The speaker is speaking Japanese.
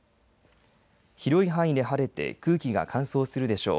広い範囲で晴れて空気が乾燥するでしょう。